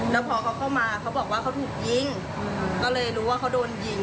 แล้วพอเขาเข้ามาเขาบอกว่าเขาถูกยิงก็เลยรู้ว่าเขาโดนยิง